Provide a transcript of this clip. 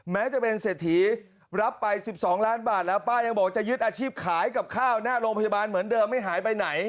แม้จะเป็นเศรษฐีรับไป๑๒ล้านบาทแล้วป้ายังบอกจะยึดอาชีพขายกับข้าวหน้าโรงพยาบาลเหมือนเดิมไม่หายไปไหน